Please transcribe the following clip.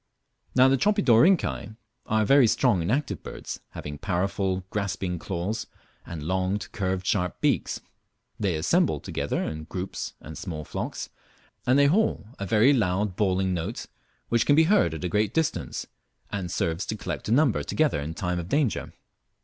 Now the Tropidorhynchi are very strong and active birds, having powerful grasping claws, and long, curved, sharp beaks. They assemble together in groups and small flocks, and they haw a very loud bawling note which can be heard at a great distance, and serves to collect a number together in time of danger.